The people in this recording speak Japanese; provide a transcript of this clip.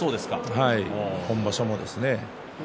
今場所もですね。